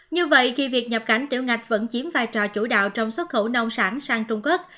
như vậy khi việc nhập cảnh tiểu ngạch vẫn chiếm vai trò chủ đạo trong xuất khẩu nông sản sang trung quốc